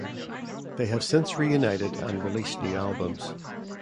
They have since reunited and released new albums.